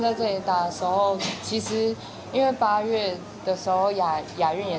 dan itu adalah sepertinya lagi terkenal ini adalah panggung